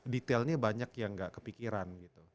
detailnya banyak yang gak kepikiran gitu